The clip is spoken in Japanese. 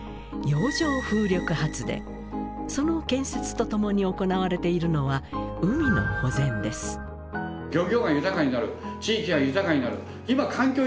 その建設とともに行われているのは海の保全です。